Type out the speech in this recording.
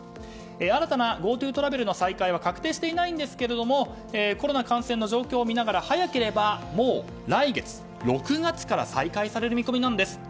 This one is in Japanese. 新たなＧｏＴｏトラベルの再開は確定していないんですけどもコロナ感染の状況を見ながら早ければ、もう来月６月から再開される見込みなんです。